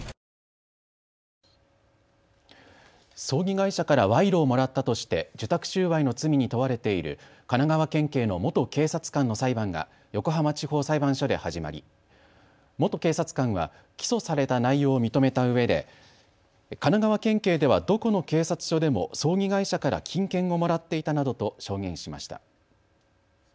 葬儀会社から賄賂をもらったとして受託収賄の罪に問われている神奈川県警の元警察官の裁判が横浜地方裁判所で始まり元警察官は起訴された内容を認めたうえで神奈川県警ではどこの警察署でも葬儀会社から金券をもらっていたなどと証言しました。